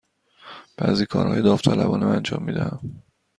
بعضی کارهای داوطلبانه انجام می دهم.